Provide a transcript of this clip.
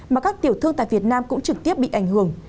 mà các tiểu thương tại việt nam cũng trực tiếp bị ảnh hưởng